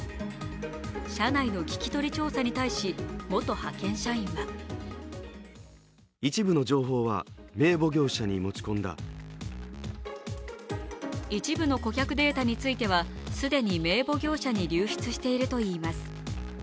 社内の聞き取り業者に対し、元派遣社員は一部の顧客データについては既に名簿業者に流出しているといいます。